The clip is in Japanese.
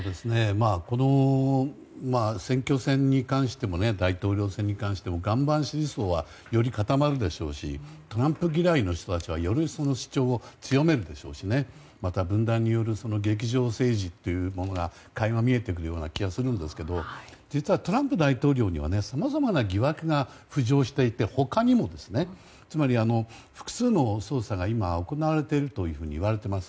この選挙戦に関しても大統領選に関しても岩盤支持層はより固まるでしょうしトランプ嫌いの人たちはよりその主張を強めるでしょうしまた、分断による劇場政治というものが垣間見えてくるような気がするんですが実は、トランプ大統領にはさまざまな疑惑が浮上していて他にも、複数の捜査が行われているといわれています。